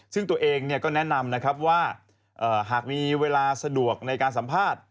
ซึ่งตัวเองก็แนะนำนะครับว่าหากมีเวลาสะดวกในการสัมภาษณ์